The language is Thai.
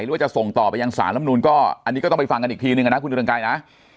หรือว่าจะส่งต่อไปยังสารลำนูนก็อันนี้ก็ต้องไปฟังกันอีกทีนึงนะคุณเรืองไกรนะ